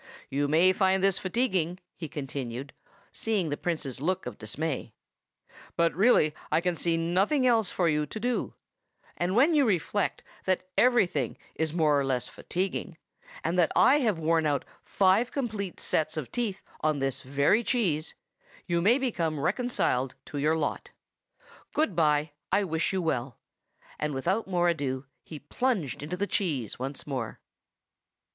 You may find this fatiguing," he continued, seeing the Prince's look of dismay; "but really I can see nothing else for you to do; and when you reflect that everything is more or less fatiguing, and that I have worn out five complete sets of teeth on this very cheese, you may become reconciled to your lot. Good by. I wish you well." And without more ado, he plunged into the cheese once more.